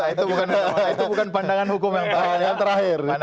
itu bukan pandangan hukum yang terakhir